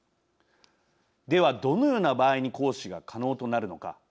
ではどのような場合に行使が可能となるのか。